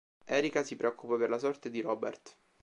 Erika si preoccupa per la sorte di Robert.